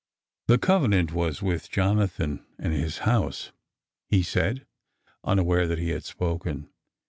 " The covenant was with Jonathan and his house," he said, unaware that he had spoken.